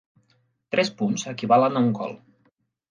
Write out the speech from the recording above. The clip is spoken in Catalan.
Tres punts equivalen a un gol.